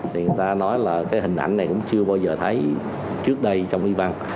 người ta nói là hình ảnh này cũng chưa bao giờ thấy trước đây trong y văn